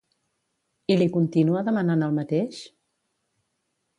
I li continua demanant el mateix?